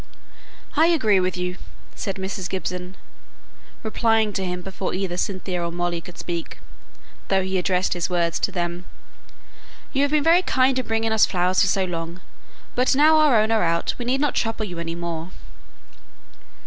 "I agree with you," said Mrs. Gibson, replying to him before either Cynthia or Molly could speak, though he addressed his words to them. "You have been very kind in bringing us flowers so long; but now our own are out we need not trouble you any more."